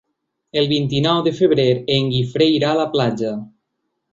El vint-i-nou de febrer en Guifré irà a la platja.